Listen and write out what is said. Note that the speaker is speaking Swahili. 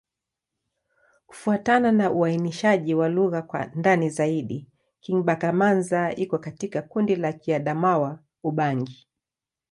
Kufuatana na uainishaji wa lugha kwa ndani zaidi, Kingbaka-Manza iko katika kundi la Kiadamawa-Ubangi.